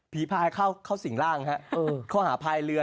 ผีพลายเข้าสิงหลังนะฮะเขาหาพลายเรือ